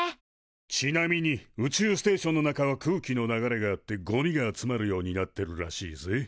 ちなみに宇宙ステーションの中は空気の流れがあってゴミが集まるようになってるらしいぜ。